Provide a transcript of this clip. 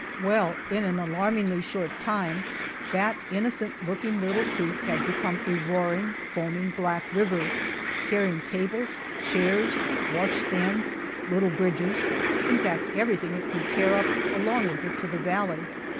Well, in an alarmingly short time that innocent looking little creek had become a roaring, foaming black river, carrying tables, chairs, washstands, little bridges in fact everything it could tear up along with it to the valley.